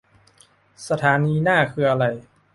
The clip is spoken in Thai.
สถานีหน้าคืออะไร